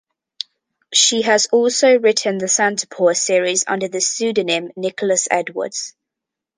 She has also written the Santa Paws series under the pseudonym Nicolas Edwards.